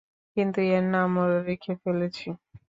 কিন্তু এর নামও রেখে ফেলেছি।